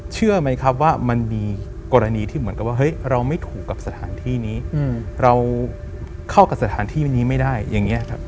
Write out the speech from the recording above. เชื่อไหมครับว่ามันมีกรณีที่เหมือนกับว่าเฮ้ยเราไม่ถูกกับสถานที่นี้เราเข้ากับสถานที่นี้ไม่ได้อย่างนี้ครับ